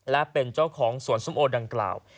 และเป็นเจ้าของสวนส้มโอดังกล่าว